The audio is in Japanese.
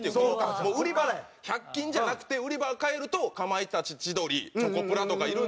もう売り場１００均じゃなくて売り場を変えるとかまいたち千鳥チョコプラとかいるんで。